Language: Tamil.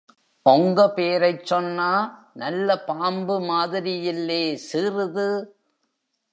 ஒங்க பேரைச் சொன்னா நல்லபாம்பு மாதிரியில்லே சீறுது.